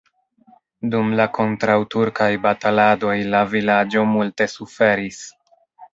Dum la kontraŭturkaj bataladoj la vilaĝo multe suferis.